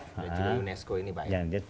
juga unesco ini pak ya